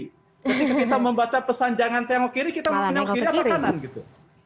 jadi kita membaca pesan jangan tengok kiri kita mau tengok kiri atau kanan gitu